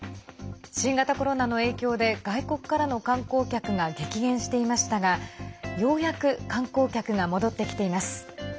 新型コロナの影響で、外国からの観光客が激減していましたがようやく、観光客が戻ってきています。